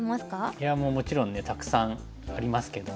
いやもちろんたくさんありますけども。